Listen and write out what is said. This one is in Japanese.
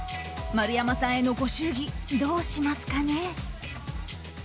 丸山さんへのご祝儀どうしますかね？